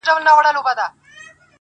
سترگي يې توري ،پر مخ يې ښكل كړه~